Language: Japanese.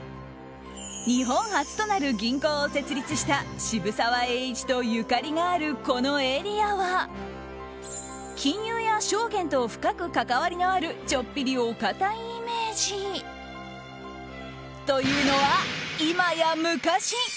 日本初となる銀行を設立した渋沢栄一とゆかりがあるこのエリアは金融や証券と深く関わりのあるちょっぴりお堅いイメージというのは今や昔。